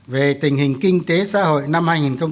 một về tình hình kinh tế xã hội năm hai nghìn một mươi sáu